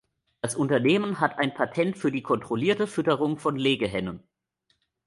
Das Unternehmen hat ein Patent für die kontrollierte Fütterung von Legehennen.